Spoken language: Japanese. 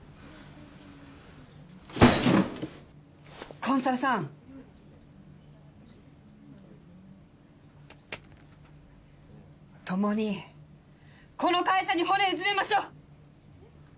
コンサルさん共にこの会社に骨うずめましょう！